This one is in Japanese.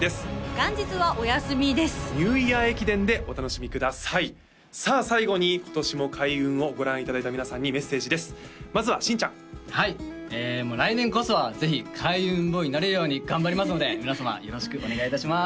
元日はお休みです「ニューイヤー駅伝」でお楽しみくださいさあ最後に今年も開運をご覧いただいた皆さんにメッセージですまずは新ちゃんはいもう来年こそはぜひＫａｉｕｎＢｏｙになれるように頑張りますので皆様よろしくお願いいたします